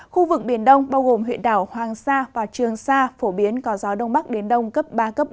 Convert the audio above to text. khu vực biển đông bao gồm huyện đảo hoàng sa và trường sa phổ biến có gió đông bắc đến đông cấp ba bốn